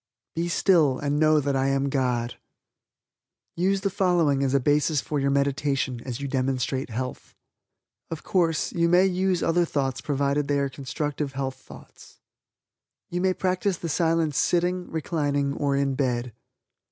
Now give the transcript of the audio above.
"Be still and know that I am God." USE THE FOLLOWING AS A BASIS FOR YOUR MEDITATION AS YOU DEMONSTRATE HEALTH. OF COURSE, YOU MAY USE OTHER THOUGHTS PROVIDED THEY ARE CONSTRUCTIVE HEALTH THOUGHTS. You may practice the Silence sitting, reclining, or in bed.